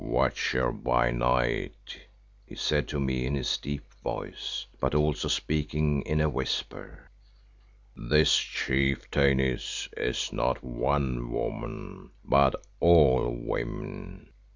"Watcher by Night," he said to me in his deep voice, but also speaking in a whisper, "this chieftainess is not one woman, but all women.